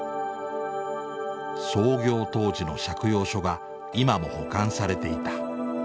創業当時の借用書が今も保管されていた。